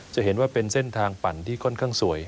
จะเห็นว่าเป็นเส้นทางปั่นที่ค่อนข้างสวย